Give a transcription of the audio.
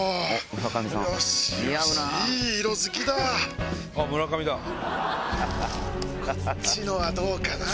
こっちのはどうかな？